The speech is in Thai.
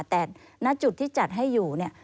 แต่ณจุดที่จัดให้อยู่เนี่ย